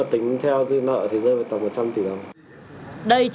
nếu mà tính theo dư nợ thì rơi vào tầm một trăm linh tỷ đồng